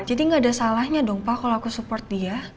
gak ada salahnya dong pak kalau aku support dia